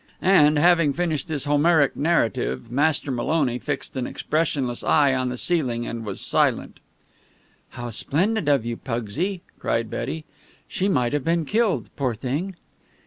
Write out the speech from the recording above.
And, having finished this Homeric narrative, Master Maloney fixed an expressionless eye on the ceiling, and was silent. "How splendid of you, Pugsy!" cried Betty. "She might have been killed, poor thing."